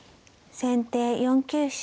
先手４九飛車。